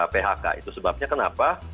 phk itu sebabnya kenapa